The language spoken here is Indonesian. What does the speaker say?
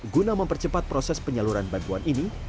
guna mempercepat proses penyaluran bantuan ini